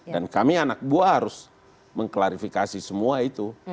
dan kami anak buah harus mengklarifikasi semua itu